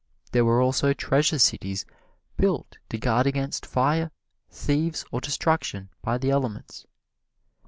There were also treasure cities built to guard against fire, thieves or destruction by the elements.